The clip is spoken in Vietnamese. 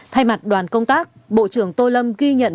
thay mặt đoàn công tác bộ trưởng tô lâm ghi nhận